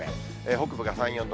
北部が３、４度。